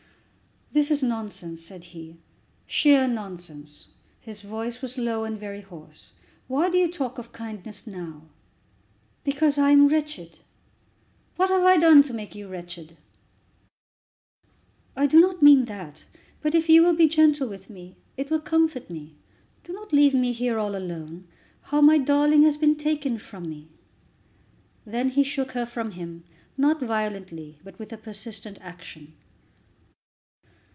"This is nonsense," said he, "sheer nonsense." His voice was low and very hoarse. "Why do you talk of kindness now?" "Because I am so wretched." "What have I done to make you wretched?" "I do not mean that; but if you will be gentle with me, it will comfort me. Do not leave me here all alone, now my darling has been taken from me." Then he shook her from him, not violently, but with a persistent action.